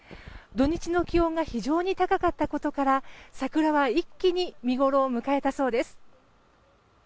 土日の気温が非常に高かったことから桜は一気に見ごろを迎えたそうです。